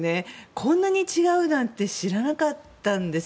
こんなに違うなんて知らなかったんです。